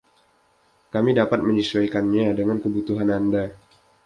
Kami dapat menyesuaikannya dengan kebutuhan Anda.